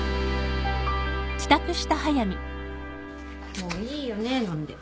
もういいよね飲んで。